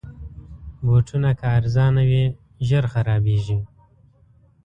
بوټونه که ارزانه وي، ژر خرابیږي.